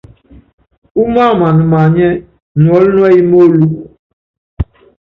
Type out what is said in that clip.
Úmáaman maanyɛ́, nuɔ́l núɛ́y móolúk.